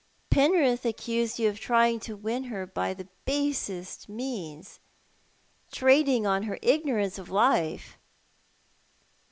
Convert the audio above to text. Penrith accused you of trying to win her by the basest means — trading ou her ignorance of life."